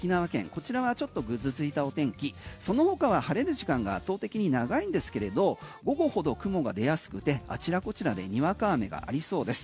こちらはちょっとぐずついたお天気その他は晴れる時間が圧倒的に長いんですけれど雲が出やすくてあちらこちらでにわか雨がありそうです。